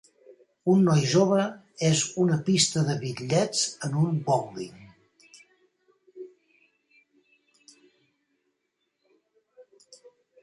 un noi jove és una pista de bitlles en un bowling.